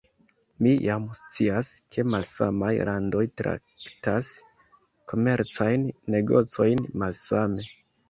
Mi jam scias, ke malsamaj landoj traktas komercajn negocojn malsame